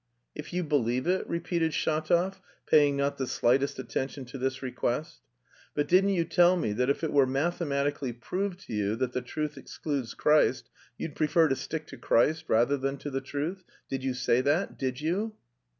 "If you believe it?" repeated Shatov, paying not the slightest attention to this request. "But didn't you tell me that if it were mathematically proved to you that the truth excludes Christ, you'd prefer to stick to Christ rather than to the truth? Did you say that? Did you?"